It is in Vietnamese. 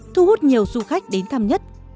thu hút nhiều du khách đến thăm nhất